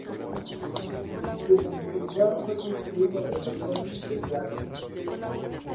En su lugar fue construido el hotel Bellagio.